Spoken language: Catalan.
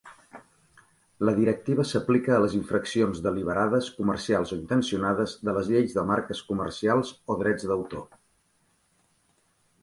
La Directiva s'aplica a les infraccions "deliberades, comercials o intencionades" de les lleis de marques comercials o drets d'autor.